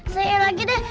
sial lagi deh